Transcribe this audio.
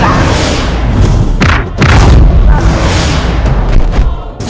aku mengaku kalah